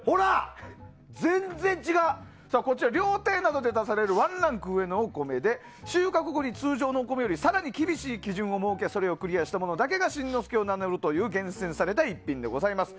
料亭などで出されるワンランク上のお米で収穫後に通常のお米より更に厳しい基準を設けそれをクリアしたものだけが新之助を名乗れる厳選された一品でございます。